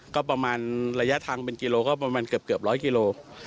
ก็ประมาณระยะทางเป็นกิโลก็ประมาณเกือบร้อยกิโล